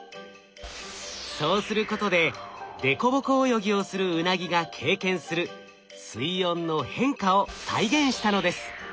そうすることで凸凹泳ぎをするウナギが経験する水温の変化を再現したのです。